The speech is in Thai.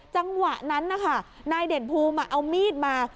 จังหวะนั้นนะคะนายเด่นภูมิเอามีดมา